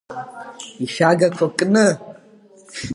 Ишәагақәа кны.